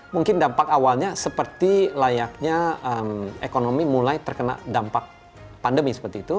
mungkin dampak awalnya seperti layaknya ekonomi mulai terkena dampak pandemi seperti itu